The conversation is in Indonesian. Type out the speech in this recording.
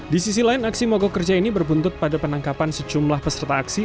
di sisi lain aksi mogok kerja ini berbuntut pada penangkapan sejumlah peserta aksi